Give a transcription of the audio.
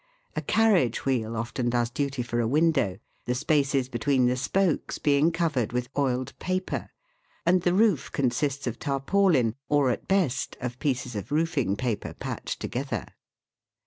A carriage wheel often does duty for a window, the spaces between the spokes being covered with oiled paper, and the roof consists of tarpaulin, or, at best, of pieces of roofing paper patched together.